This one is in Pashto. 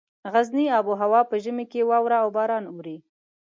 غرني آب هوا په ژمي کې واوره او باران اوري.